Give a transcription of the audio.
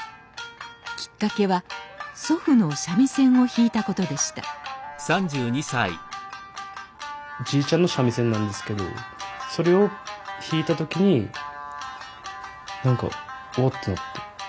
きっかけは祖父の三味線を弾いたことでしたじいちゃんの三味線なんですけどそれを弾いた時に何か「おっ」と思って。